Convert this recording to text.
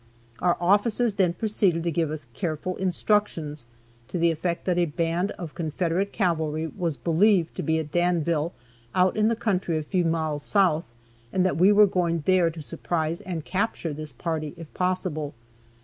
Our officers then proceeded to give us careful instructions, to the effect that a band of Confederate cavalry was believed to be at Danville, out in the country a few miles south, and that we were going there to surprise and capture this party, if possible.